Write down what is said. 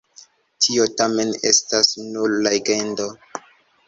Tio tamen estas nur legendo.